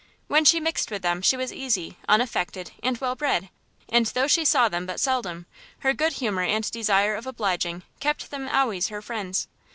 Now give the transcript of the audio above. When she mixed with them, she was easy, unaffected, and well bred, and though she saw them but seldom, her good humour and desire of obliging kept them always her friends.